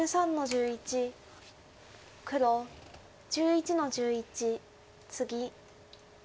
黒１１の十一ツギ。